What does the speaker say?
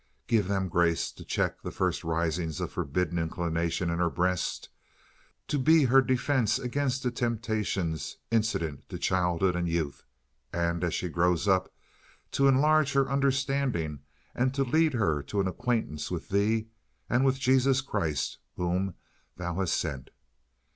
Give them grace to check the first risings of forbidden inclinations in her breast, to be her defense against the temptations incident to childhood and youth, and, as she grows up, to enlarge her understanding and to lead her to an acquaintance with Thee and with Jesus Christ, whom Thou hast sent.